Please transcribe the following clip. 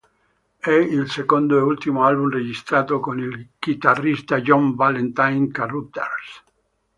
È il secondo e ultimo album registrato con il chitarrista John Valentine Carruthers.